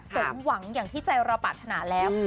สมหวังอย่างที่ใจเราปรารถนาแล้ว